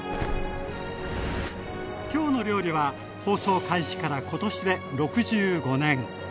「きょうの料理」は放送開始から今年で６５年。